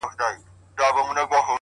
گراني خبري سوې د وخت ملكې ،